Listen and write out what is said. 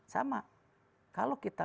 sama kalau kita